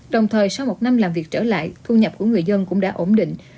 đồng thời sau một năm làm việc trở lại thu nhập của người dân cũng đã ổn định